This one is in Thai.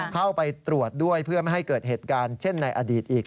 เข้าไปตรวจด้วยเพื่อไม่ให้เกิดเหตุการณ์เช่นในอดีตอีก